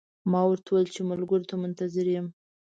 ما ورته وویل چې ملګرو ته منتظر یم.